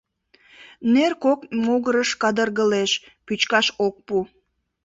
Нер кок могырыш кадыргылеш — пӱчкаш ок пу.